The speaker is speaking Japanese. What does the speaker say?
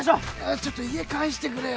ちょっと家帰してくれよ。